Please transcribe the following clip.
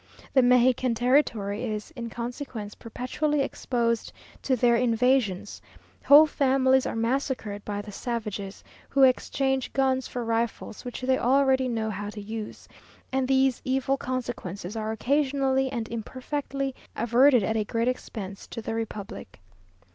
The Mexican territory is, in consequence, perpetually exposed to their invasions whole families are massacred by the savages, who exchange guns for rifles, which they already know how to use, and these evil consequences are occasionally and imperfectly averted at a great expense to the republic.